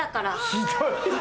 ひどい。